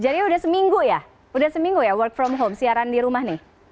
jadi udah seminggu ya udah seminggu ya work from home siaran di rumah nih